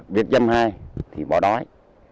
việt châm hai thì bỏ đói